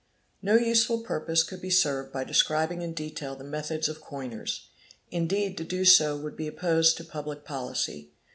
No useful purpose could be served by describing in detail the methods ' of coiners. Indeed to do so would be opposed to public policy.